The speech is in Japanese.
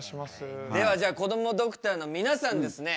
ではじゃこどもドクターの皆さんですね